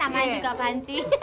namanya juga panci